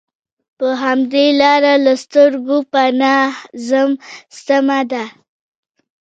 پر همدې لاره له سترګو پناه ځم، سمه ده.